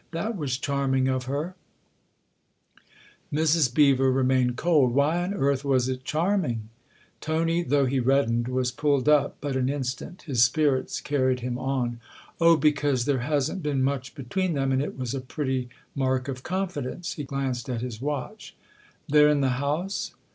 " That was charming of her I " Mrs. Beever remained cold. " Why on earth was it charming ?" Tony, though he reddened, was pulled up but an instant his spirits carried him on. " Oh, because there hasn't been much between them, and it was a pretty mark of confidence." He glanced at his watch. " They're in the house